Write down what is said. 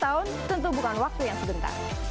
sepuluh tahun tentu bukan waktu yang sebentar